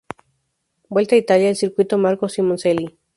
Vuelta a Italia, al circuito Marco Simoncelli.